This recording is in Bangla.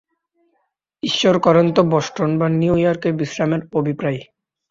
ঈশ্বর করেন তো বষ্টন বা নিউ ইয়র্কে বিশ্রামের অভিপ্রায়।